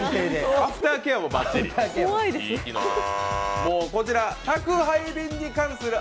アフターケアもばっちり。